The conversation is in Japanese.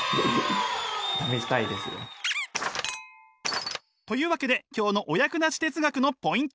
試したいですよ。というわけで今日のお役立ち哲学のポイント。